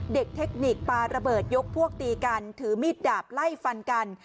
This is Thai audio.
เทคนิคปาระเบิดยกพวกตีกันถือมีดดาบไล่ฟันกัน